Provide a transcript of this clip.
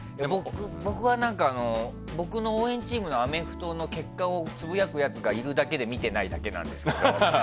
僕は僕の応援チームのアメフトの結果をつぶやくやつがいるだけで見てないだけなんですけど。